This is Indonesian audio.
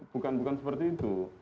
bukan bukan seperti itu